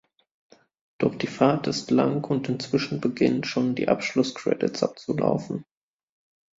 Doch die Fahrt ist lang und inzwischen beginnen schon die Abschluss-Credits abzulaufen.